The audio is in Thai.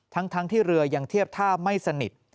ทั้งที่เรือยังเทียบท่าไม่สนิท